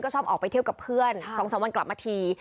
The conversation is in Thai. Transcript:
ชอบออกไปเที่ยวกับเพื่อน๒๓วันกลับมาที